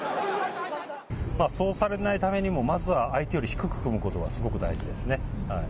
そうされないためにも、まずは相手より低く組むことがすごく大事ですね。